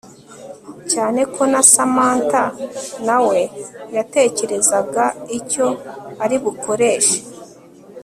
cyane ko na Samantha nawe yatekerezaga icyo ari bukoreshe